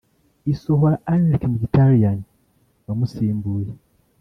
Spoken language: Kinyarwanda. isohora Henrikh Mkhitaryan wamusimbuye